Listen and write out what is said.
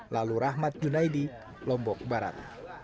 lalu rahmat junaidi lombok barat